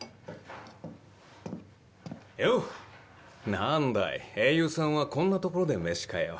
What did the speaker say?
なんだい英雄さんはこんな所で飯かよ。